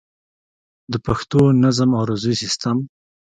د پښتو نظم عروضي سيسټم